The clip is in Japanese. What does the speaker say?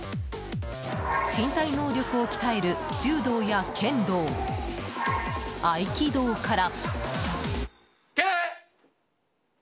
身体能力を鍛える柔道や剣道、合気道から。